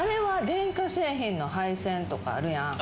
電化製品の配線とかあるやん。